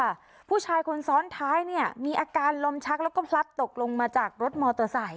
ผู้ชายคนซ้อนท้ายเนี่ยมีอาการลมชักแล้วก็พลัดตกลงมาจากรถมอเตอร์ไซค